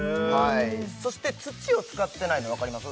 そして土を使ってないの分かります？